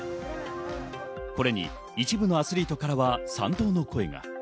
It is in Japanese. これに１部のアスリートからは賛同の声が。